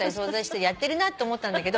やってるなって思ったんだけど